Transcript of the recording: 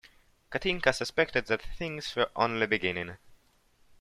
Katinka suspected that things were only beginning.